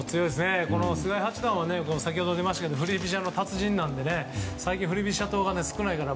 菅井八段は先ほど出ましたが振り飛車の達人なので最近、振り飛車党が少ないから。